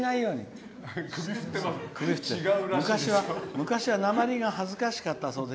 「昔はなまりが恥ずかしかったそうで